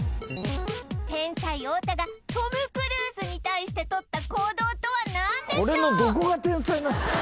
天才太田がトム・クルーズに対してとった行動とは何でしょう？